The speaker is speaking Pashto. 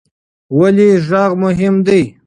ولې غږ مهم دی؟